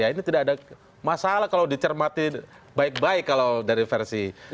ini tidak ada masalah kalau dicermati baik baik kalau dari versi